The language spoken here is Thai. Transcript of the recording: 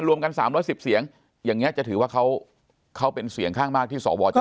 รวมกันสามร้อยสิบเสียงอย่างเงี้ยจะถือว่าเขาเขาเป็นเสียงข้างมากที่สอบวอร์จะโหวต